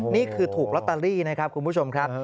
นี่คือถูกลอตเตอรี่นะครับคุณผู้ชมครับ